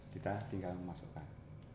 kita tinggal memasukkan